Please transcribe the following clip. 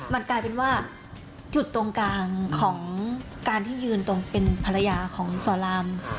มันกลายเป็นว่าจุดตรงกลางของการที่ยืนตรงเป็นภรรยาของสอนราม